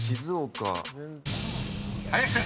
［林先生］